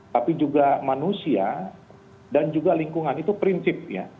tapi juga manusia dan juga lingkungan itu prinsipnya